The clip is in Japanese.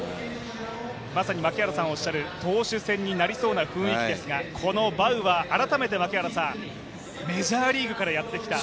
まさに槙原さんおっしゃる投手戦になりそうな雰囲気ですが、このバウアー、メジャーリーグからやってきた。